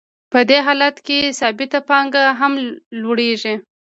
په دې حالت کې ثابته پانګه هم لوړېږي